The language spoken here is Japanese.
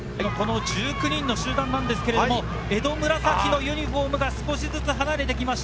１９人の集団なんですけれども江戸紫のユニホームが少しずつ離れてきました。